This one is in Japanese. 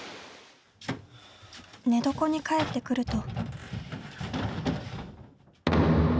寝床に帰ってくると。